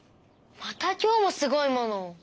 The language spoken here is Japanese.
また今日もすごいものを。